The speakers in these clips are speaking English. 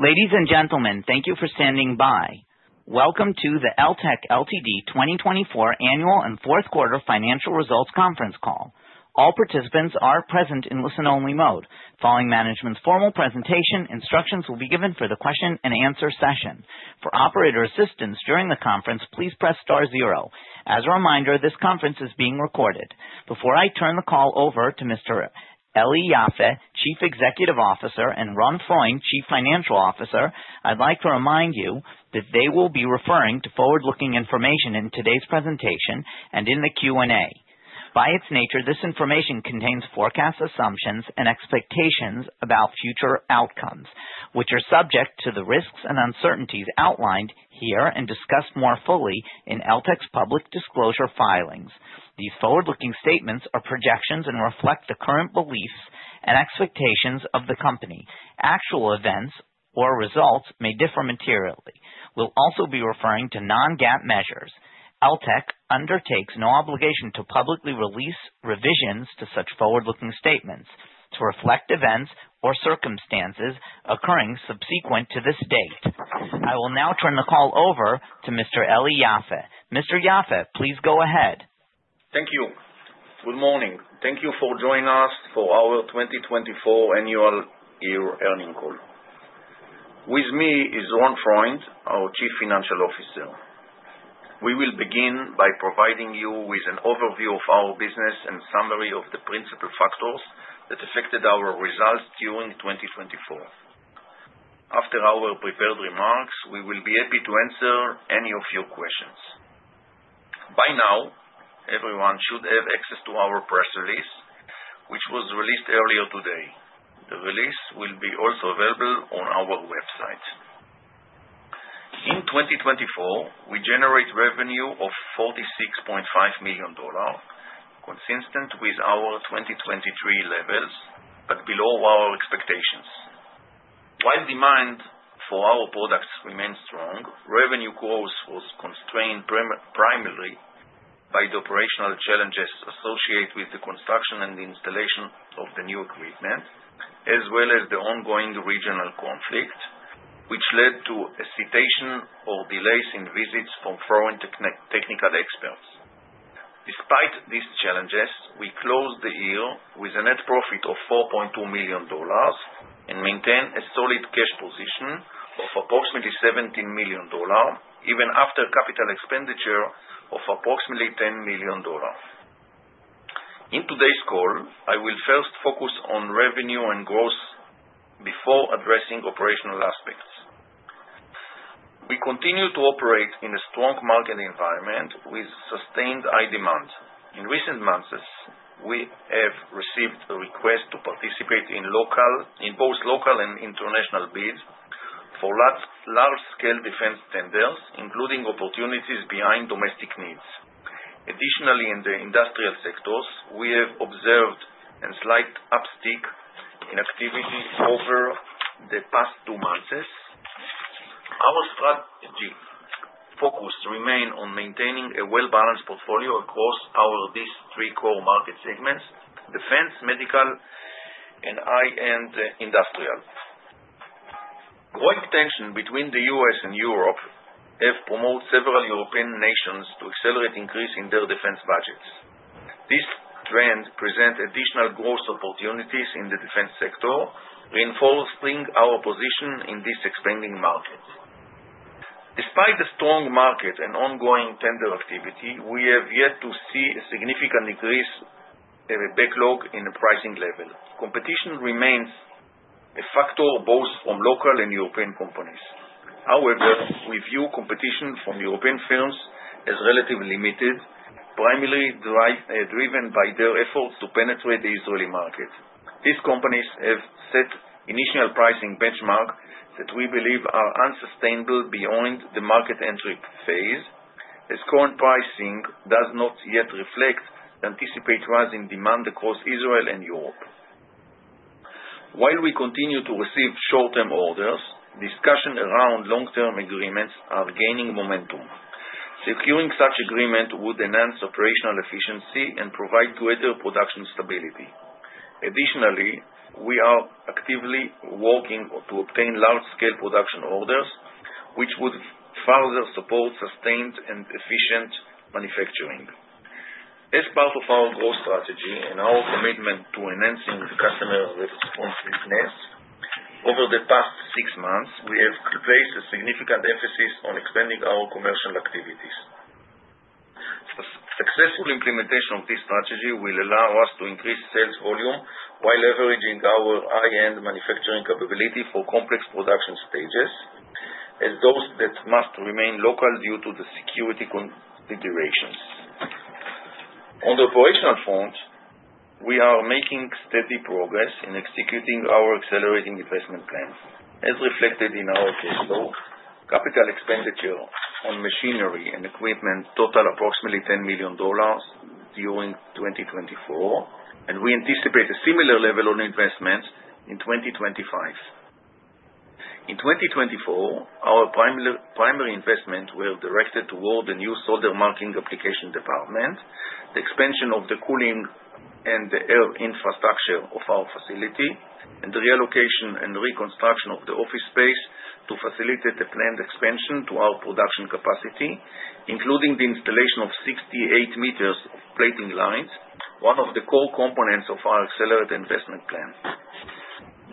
Ladies and gentlemen, thank you for standing by. Welcome to the Eltek Ltd. 2024 Annual and fourth quarter financial results conference call. All participants are present in listen-only mode. Following management's formal presentation, instructions will be given for the question-and-answer session. For operator assistance during the conference, please press star zero. As a reminder, this conference is being recorded. Before I turn the call over to Mr. Eli Yaffe, Chief Executive Officer, and Ron Freund, Chief Financial Officer, I'd like to remind you that they will be referring to forward-looking information in today's presentation and in the Q&A. By its nature, this information contains forecast assumptions and expectations about future outcomes, which are subject to the risks and uncertainties outlined here and discussed more fully in Eltek's public disclosure filings. These forward-looking statements are projections and reflect the current beliefs and expectations of the company. Actual events or results may differ materially. We will also be referring to non-GAAP measures. Eltek undertakes no obligation to publicly release revisions to such forward-looking statements to reflect events or circumstances occurring subsequent to this date. I will now turn the call over to Mr. Eli Yaffe. Mr. Yaffe, please go ahead. Thank you. Good morning. Thank you for joining us for our 2024 annual year earning call. With me is Ron Freund, our Chief Financial Officer. We will begin by providing you with an overview of our business and summary of the principal factors that affected our results during 2024. After our prepared remarks, we will be happy to answer any of your questions. By now, everyone should have access to our press release, which was released earlier today. The release will be also available on our website. In 2024, we generated revenue of $46.5 million, consistent with our 2023 levels but below our expectations. While demand for our products remained strong, revenue growth was constrained primarily by the operational challenges associated with the construction and installation of the new equipment, as well as the ongoing regional conflict, which led to a cessation or delays in visits from foreign technical experts. Despite these challenges, we closed the year with a net profit of $4.2 million and maintained a solid cash position of approximately $17 million, even after capital expenditure of approximately $10 million. In today's call, I will first focus on revenue and growth before addressing operational aspects. We continue to operate in a strong market environment with sustained high demand. In recent months, we have received a request to participate in both local and international bids for large-scale defense tenders, including opportunities behind domestic needs. Additionally, in the industrial sectors, we have observed a slight uptick in activity over the past two months. Our strategy focus remains on maintaining a well-balanced portfolio across these three core market segments: defense, medical, and high-end industrial. Growing tensions between the U.S. and Europe have prompted several European nations to accelerate increases in their defense budgets. This trend presents additional growth opportunities in the defense sector, reinforcing our position in this expanding market. Despite the strong market and ongoing tender activity, we have yet to see a significant decrease in the backlog in the pricing level. Competition remains a factor both from local and European companies. However, we view competition from European firms as relatively limited, primarily driven by their efforts to penetrate the Israeli market. These companies have set initial pricing benchmarks that we believe are unsustainable beyond the market entry phase, as current pricing does not yet reflect the anticipated rise in demand across Israel and Europe. While we continue to receive short-term orders, discussions around long-term agreements are gaining momentum. Securing such agreements would enhance operational efficiency and provide greater production stability. Additionally, we are actively working to obtain large-scale production orders, which would further support sustained and efficient manufacturing. As part of our growth strategy and our commitment to enhancing customer responsiveness, over the past six months, we have placed a significant emphasis on expanding our commercial activities. Successful implementation of this strategy will allow us to increase sales volume while leveraging our high-end manufacturing capability for complex production stages, as those that must remain local due to the security considerations. On the operational front, we are making steady progress in executing our accelerating investment plans, as reflected in our cash flow. Capital expenditure on machinery and equipment totaled approximately $10 million during 2024, and we anticipate a similar level of investment in 2025. In 2024, our primary investments were directed toward the new solder mask application department, the expansion of the cooling and air infrastructure of our facility, and the reallocation and reconstruction of the office space to facilitate the planned expansion to our production capacity, including the installation of 68 meters of plating lines, one of the core components of our accelerated investment plan.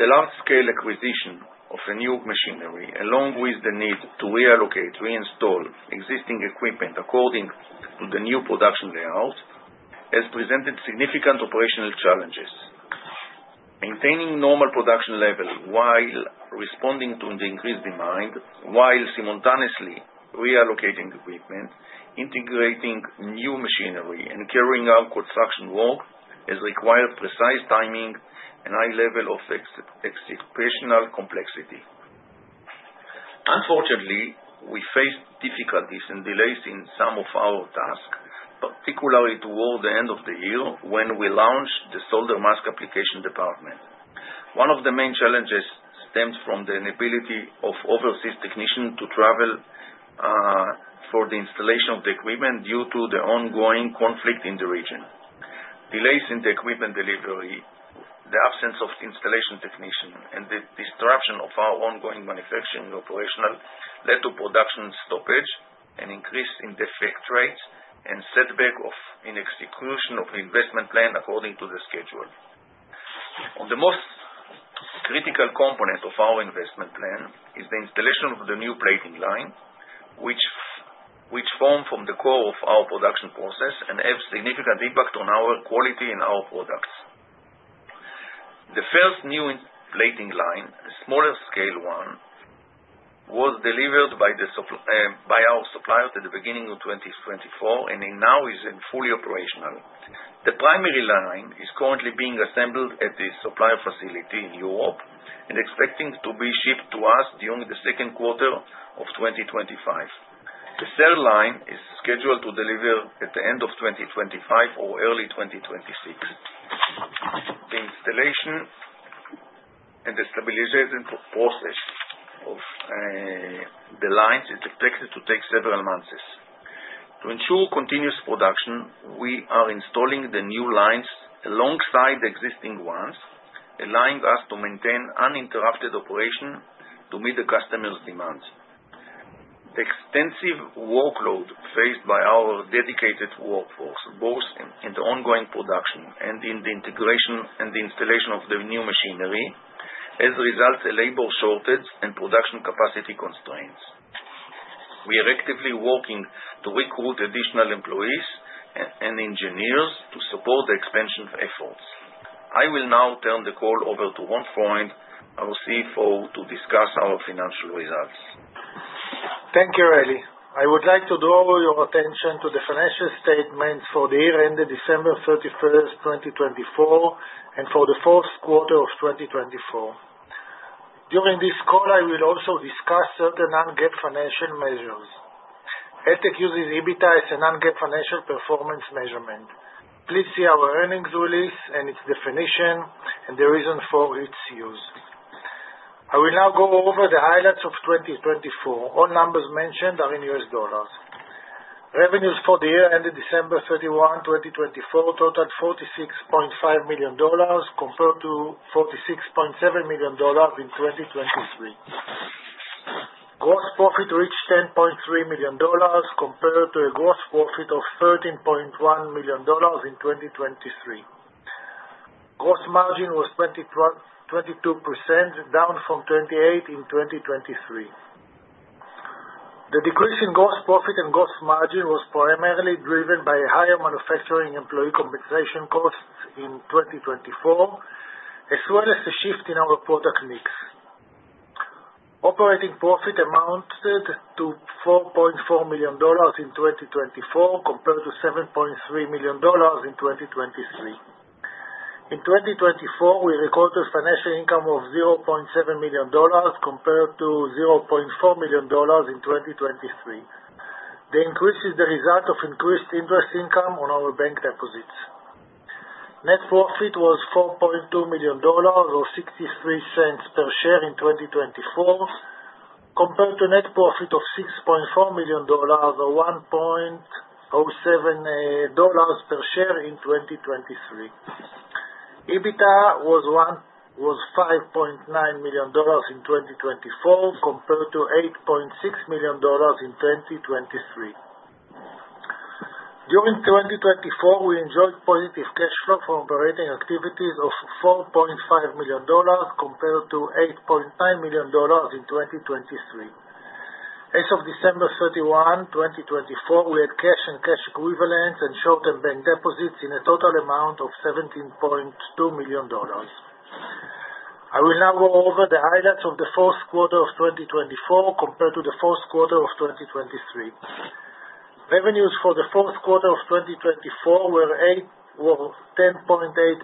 The large-scale acquisition of new machinery, along with the need to reallocate, reinstall existing equipment according to the new production layout, has presented significant operational challenges. Maintaining normal production levels while responding to the increased demand, while simultaneously reallocating equipment, integrating new machinery, and carrying out construction work has required precise timing and a high level of exceptional complexity. Unfortunately, we faced difficulties and delays in some of our tasks, particularly toward the end of the year when we launched the solder mask application department. One of the main challenges stemmed from the inability of overseas technicians to travel for the installation of the equipment due to the ongoing conflict in the region. Delays in the equipment delivery, the absence of installation technicians, and the disruption of our ongoing manufacturing operations led to production stoppage, an increase in defect rates, and setback in execution of the investment plan according to the schedule. The most critical component of our investment plan is the installation of the new plating line, which forms the core of our production process and has a significant impact on our quality and our products. The first new plating line, a smaller-scale one, was delivered by our supplier at the beginning of 2024, and now is fully operational. The primary line is currently being assembled at the supplier facility in Europe and expected to be shipped to us during the second quarter of 2025. The third line is scheduled to deliver at the end of 2025 or early 2026. The installation and the stabilization process of the lines is expected to take several months. To ensure continuous production, we are installing the new lines alongside the existing ones, allowing us to maintain uninterrupted operation to meet the customer's demands. The extensive workload faced by our dedicated workforce, both in the ongoing production and in the integration and installation of the new machinery, has resulted in labor shortages and production capacity constraints. We are actively working to recruit additional employees and engineers to support the expansion efforts. I will now turn the call over to Ron Freund, our CFO, to discuss our financial results. Thank you, Eli. I would like to draw your attention to the financial statements for the year ended December 31, 2024, and for the fourth quarter of 2024. During this call, I will also discuss certain non-GAAP financial measures. Eltek uses EBITDA as a non-GAAP financial performance measurement. Please see our earnings release and its definition and the reason for its use. I will now go over the highlights of 2024. All numbers mentioned are in US dollars. Revenues for the year ended December 31, 2024, totaled $46.5 million compared to $46.7 million in 2023. Gross profit reached $10.3 million compared to a gross profit of $13.1 million in 2023. Gross margin was 22%, down from 28% in 2023. The decrease in gross profit and gross margin was primarily driven by higher manufacturing employee compensation costs in 2024, as well as the shift in our product mix. Operating profit amounted to $4.4 million in 2024 compared to $7.3 million in 2023. In 2024, we recorded financial income of $0.7 million compared to $0.4 million in 2023. The increase is the result of increased interest income on our bank deposits. Net profit was $4.2 million or $0.63 per share in 2024, compared to net profit of $6.4 million or $1.07 per share in 2023. EBITDA was $5.9 million in 2024 compared to $8.6 million in 2023. During 2024, we enjoyed positive cash flow from operating activities of $4.5 million compared to $8.9 million in 2023. As of December 31, 2024, we had cash and cash equivalents and short-term bank deposits in a total amount of $17.2 million. I will now go over the highlights of the fourth quarter of 2024 compared to the fourth quarter of 2023. Revenues for the fourth quarter of 2024 were $10.8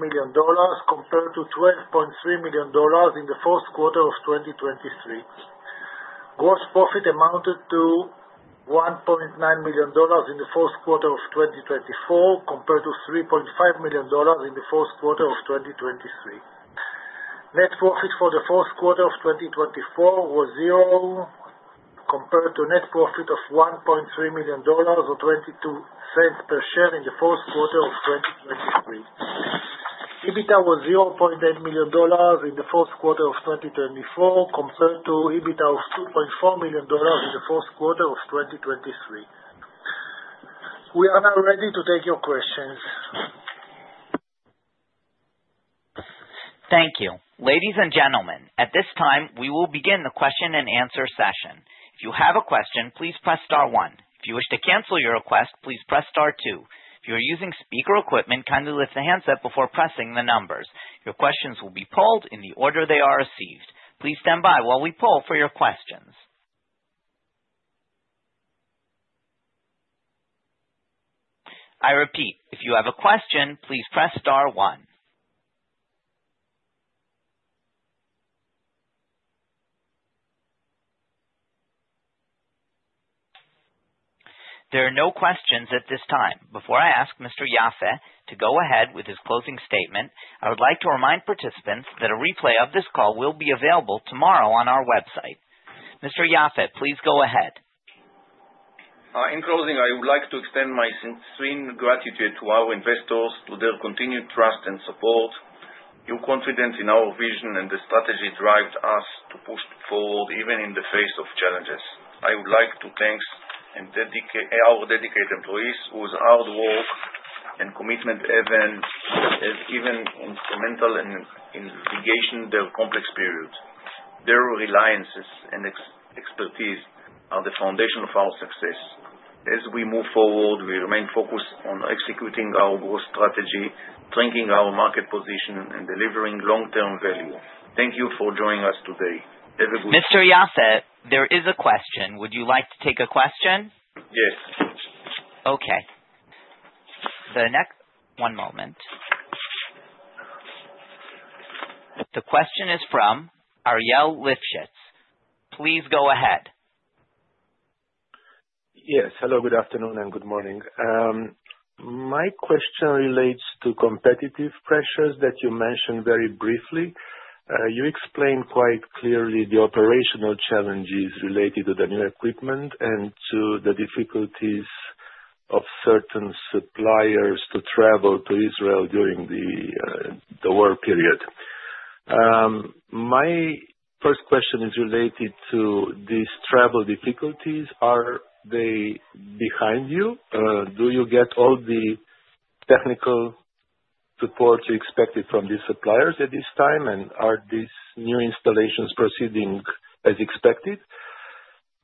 million compared to $12.3 million in the fourth quarter of 2023. Gross profit amounted to $1.9 million in the fourth quarter of 2024 compared to $3.5 million in the fourth quarter of 2023. Net profit for the fourth quarter of 2024 was zero compared to net profit of $1.3 million or $0.22 per share in the fourth quarter of 2023. EBITDA was $0.8 million in the fourth quarter of 2024 compared to EBITDA of $2.4 million in the fourth quarter of 2023. We are now ready to take your questions. Thank you. Ladies and gentlemen, at this time, we will begin the question-and-answer session. If you have a question, please press star one. If you wish to cancel your request, please press star two. If you are using speaker equipment, kindly lift the handset before pressing the numbers. Your questions will be polled in the order they are received. Please stand by while we poll for your questions. I repeat, if you have a question, please press star one. There are no questions at this time. Before I ask Mr. Yaffe to go ahead with his closing statement, I would like to remind participants that a replay of this call will be available tomorrow on our website. Mr. Yaffe, please go ahead. In closing, I would like to extend my sincere gratitude to our investors, to their continued trust and support. Your confidence in our vision and the strategy drives us to push forward even in the face of challenges. I would like to thank our dedicated employees whose hard work and commitment have been instrumental in navigating this complex period. Their resilience and expertise are the foundation of our success. As we move forward, we remain focused on executing our growth strategy, strengthening our market position, and delivering long-term value. Thank you for joining us today. Have a good day. Mr. Yaffe, there is a question. Would you like to take a question? Yes. Okay. One moment. The question is from Ariel Lifshitz. Please go ahead. Yes. Hello, good afternoon, and good morning. My question relates to competitive pressures that you mentioned very briefly. You explained quite clearly the operational challenges related to the new equipment and to the difficulties of certain suppliers to travel to Israel during the war period. My first question is related to these travel difficulties. Are they behind you? Do you get all the technical support you expected from these suppliers at this time, and are these new installations proceeding as expected?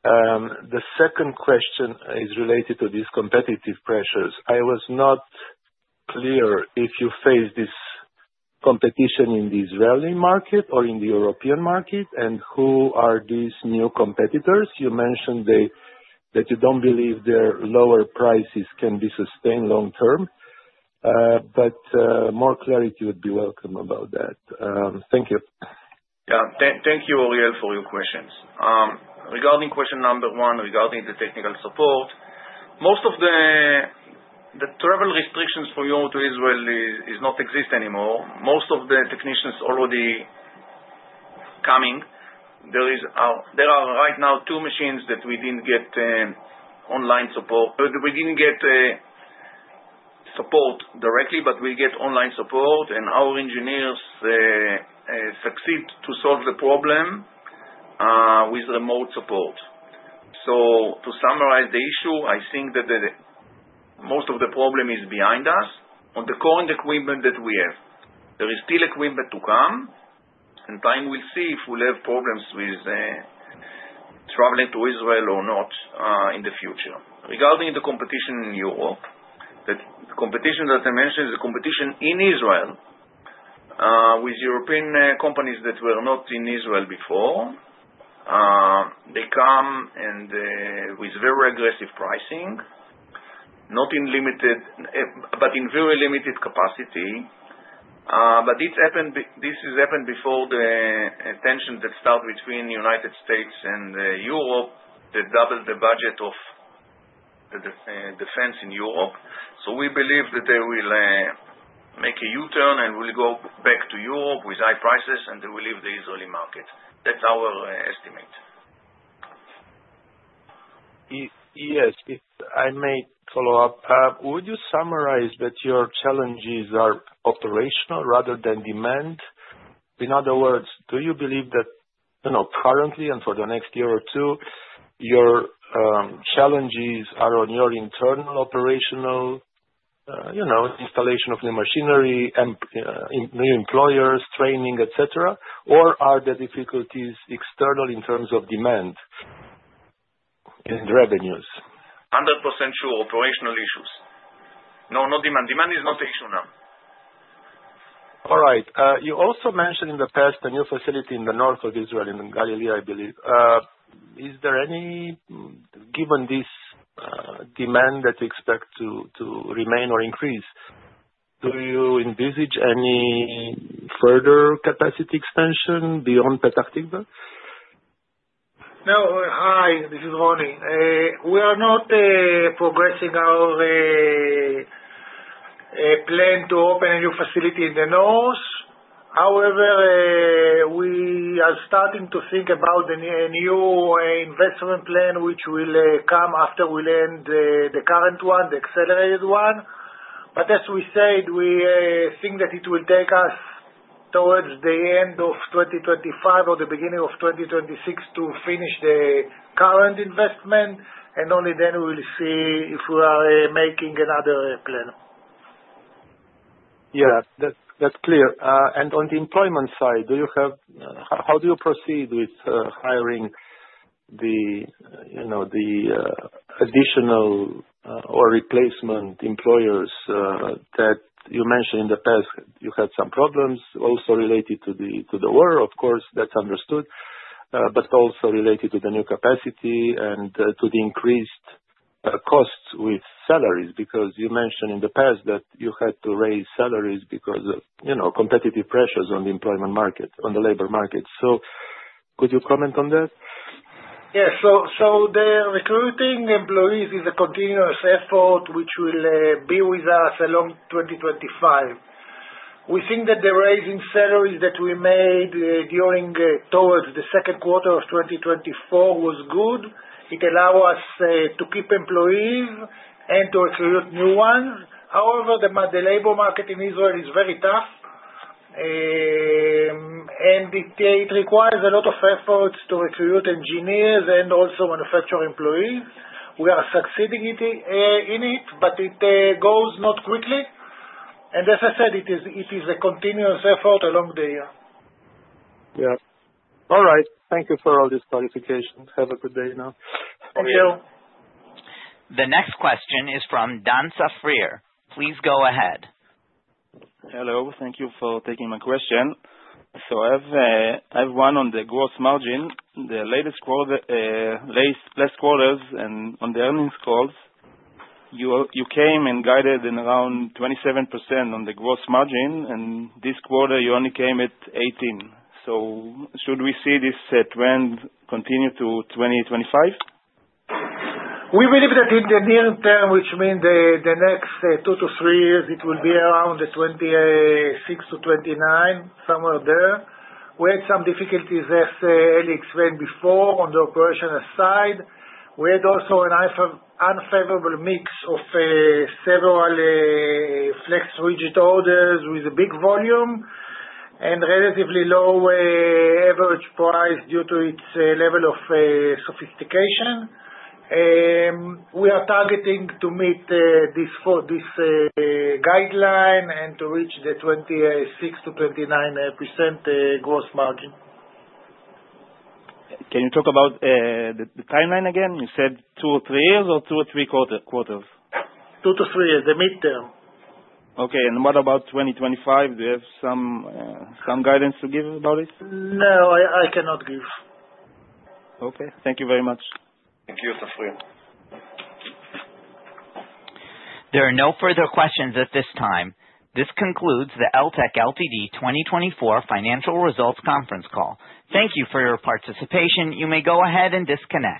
The second question is related to these competitive pressures. I was not clear if you face this competition in the Israeli market or in the European market, and who are these new competitors? You mentioned that you don't believe their lower prices can be sustained long-term, but more clarity would be welcome about that. Thank you. Yeah. Thank you, Ariel, for your questions. Regarding question number one, regarding the technical support, most of the travel restrictions from Europe to Israel do not exist anymore. Most of the technicians are already coming. There are right now two machines that we did not get online support. We did not get support directly, but we get online support, and our engineers succeed to solve the problem with remote support. To summarize the issue, I think that most of the problem is behind us. On the current equipment that we have, there is still equipment to come, and time will see if we will have problems with traveling to Israel or not in the future. Regarding the competition in Europe, the competition that I mentioned is the competition in Israel with European companies that were not in Israel before. They come with very aggressive pricing, not in limited, but in very limited capacity. This has happened before the tensions that start between the U.S. and Europe that doubled the budget of the defense in Europe. We believe that they will make a U-turn and will go back to Europe with high prices, and they will leave the Israeli market. That's our estimate. Yes. If I may follow up, would you summarize that your challenges are operational rather than demand? In other words, do you believe that currently and for the next year or two, your challenges are on your internal operational installation of new machinery, new employers, training, etc., or are the difficulties external in terms of demand and revenues? 100% sure, operational issues. No, not demand. Demand is not issue now. All right. You also mentioned in the past a new facility in the north of Israel, in Galilee, I believe. Is there any, given this demand that you expect to remain or increase, do you envisage any further capacity expansion beyond Petach Tikva, Eli Yaffe? No. Hi, this is Ronnie. We are not progressing our plan to open a new facility in the north. However, we are starting to think about a new investment plan which will come after we end the current one, the accelerated one. As we said, we think that it will take us towards the end of 2025 or the beginning of 2026 to finish the current investment, and only then we will see if we are making another plan. Yes. That's clear. On the employment side, do you have how do you proceed with hiring the additional or replacement employers that you mentioned in the past? You had some problems also related to the war, of course, that's understood, but also related to the new capacity and to the increased costs with salaries because you mentioned in the past that you had to raise salaries because of competitive pressures on the employment market, on the labor market. Could you comment on that? Yes. Recruiting employees is a continuous effort which will be with us along 2025. We think that the raising salaries that we made towards the second quarter of 2024 was good. It allowed us to keep employees and to recruit new ones. However, the labor market in Israel is very tough, and it requires a lot of efforts to recruit engineers and also manufacturing employees. We are succeeding in it, but it goes not quickly. As I said, it is a continuous effort along the year. Yes. All right. Thank you for all these clarifications. Have a good day now. Thank you. The next question is from Dan Freire. Please go ahead. Hello. Thank you for taking my question. I have one on the gross margin. The latest last quarters and on the earnings calls, you came and guided in around 27% on the gross margin, and this quarter, you only came at 18%. Should we see this trend continue to 2025? We believe that in the near term, which means the next two to three years, it will be around 26%-29%, somewhere there. We had some difficulties, as Eli explained before, on the operational side. We had also an unfavorable mix of several flex-rigid orders with a big volume and relatively low average price due to its level of sophistication. We are targeting to meet this guideline and to reach the 26%-29% gross margin. Can you talk about the timeline again? You said two or three years or two or three quarters? Two to three years, the midterm. Okay. What about 2025? Do you have some guidance to give about it? No. I cannot give. Okay. Thank you very much. Thank you, Dan Freire. There are no further questions at this time. This concludes the Eltek Ltd., 2024 financial results conference call. Thank you for your participation. You may go ahead and disconnect.